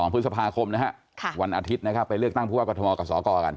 ๒๒พฤษภาคมวันอาทิตย์ไปเลือกตั้งผู้ว่ากับทมกับสกกัน